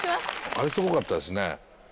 あれすごかったですね。